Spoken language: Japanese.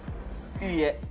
いいえ。